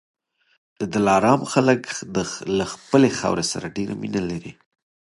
د دلارام خلک له خپلي خاورې سره ډېره مینه لري.